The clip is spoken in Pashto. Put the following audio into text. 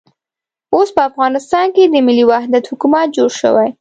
اوس په افغانستان کې د ملي وحدت حکومت جوړ شوی.